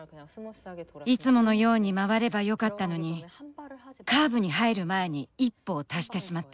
いつものように回ればよかったのにカーブに入る前に１歩を足してしまった。